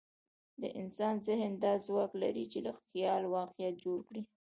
د انسان ذهن دا ځواک لري، چې له خیال واقعیت جوړ کړي.